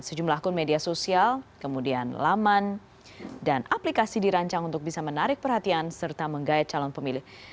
sejumlah akun media sosial kemudian laman dan aplikasi dirancang untuk bisa menarik perhatian serta menggayat calon pemilih